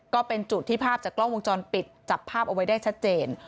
ก็เป็นจุดที่ภาพจากกล้องวงจรปิดจับภาพเอาไว้ได้ชัดเจน